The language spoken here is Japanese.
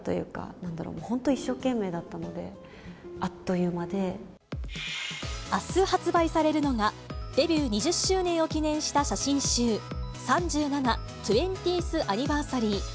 なんだろう、本当一生懸命だったあす発売されるのが、デビュー２０周年を記念した写真集、３７２０ｔｈａｎｎｉｖｅｒｓａｒｙ。